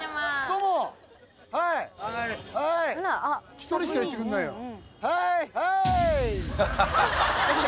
１人しか言ってくんないよハイ！